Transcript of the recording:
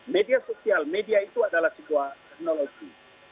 media sosial media itu adalah sebuah teknologi